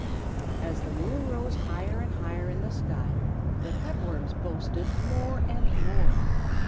As the moon rose higher and higher in the sky, the Cut Worms boasted more and more.